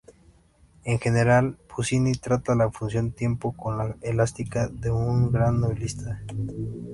En general, Puccini trata la función tiempo con la elasticidad de un gran novelista.